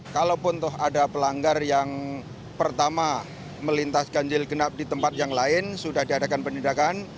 kalaupun toh ada pelanggar yang pertama melintas ganjil genap di tempat yang lain sudah diadakan penindakan